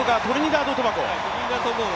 トリニダード・トバゴ